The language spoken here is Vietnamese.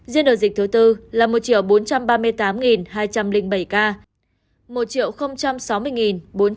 riêng đợt dịch thứ tư là một bốn trăm ba mươi tám hai trăm linh bảy ca một sáu mươi bốn trăm ba mươi sáu ca khỏi